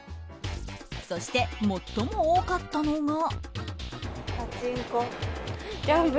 そして、最も多かったのが。